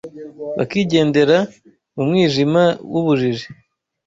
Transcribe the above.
bakigendeera mu mwijima w’ubujiji